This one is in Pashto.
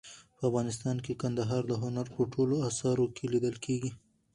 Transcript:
په افغانستان کې کندهار د هنر په ټولو اثارو کې لیدل کېږي.